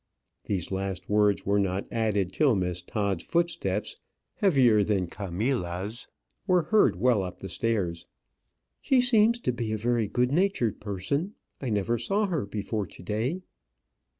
These last words were not added till Miss Todd's footsteps, heavier than Camilla's, were heard well up the stairs. "She seems to be a very good natured person. I never saw her before to day."